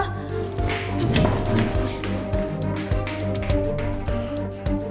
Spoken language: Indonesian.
sebentar ya buandien